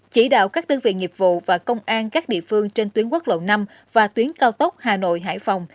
chỉ đạo các đơn vị nghiệp vụ và công an các địa phương trên tuyến quốc lộ năm và tuyến cao tốc hà nội hải phòng